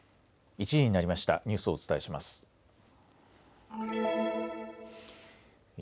１時になりました。